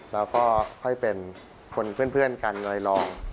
แล้วก็ค่อยเป็นคนเพื่อนกันลอยลอง